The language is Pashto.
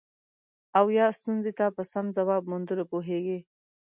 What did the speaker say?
او یا ستونزې ته په سم ځواب موندلو پوهیږي.